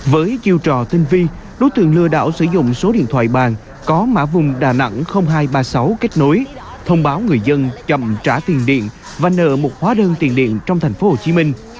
với chiêu trò tinh vi đối tượng lừa đảo sử dụng số điện thoại bàn có mã vùng đà nẵng hai trăm ba mươi sáu kết nối thông báo người dân chậm trả tiền điện và nợ một hóa đơn tiền điện trong thành phố hồ chí minh